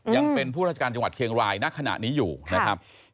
ยังเป็นผู้ราชการจังหวัดเชียงรายณขณะนี้อยู่นะครับ